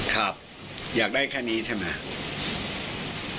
ครับอยากได้แค่นี้ใช่ไหมต่อไปแล้ว